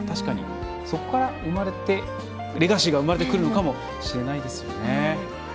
そこからレガシーが生まれてくるのかもしれないですよね。